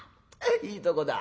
いいとこだ。